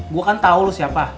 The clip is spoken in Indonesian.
gua kan tau lo siapa